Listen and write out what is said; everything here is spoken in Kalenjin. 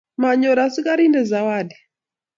Manyor askarindet sawadi.